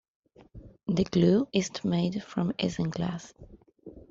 The glue is made from isinglass.